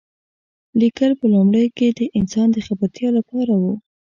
لیکل په لومړیو کې د انسان د خبرتیا لپاره و.